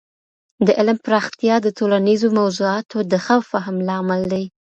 د علم پراختیا د ټولنیزو موضوعاتو د ښه فهم لامل دی.